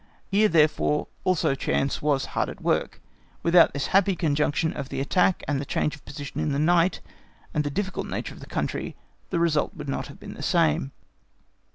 Here, therefore, also chance was hard at work; without this happy conjunction of the attack and the change of position in the night, and the difficult nature of the country, the result would not have been the same.